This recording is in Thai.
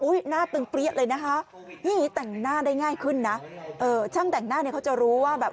หน้าตึงเปรี้ยเลยนะคะนี่แต่งหน้าได้ง่ายขึ้นนะเอ่อช่างแต่งหน้าเนี่ยเขาจะรู้ว่าแบบ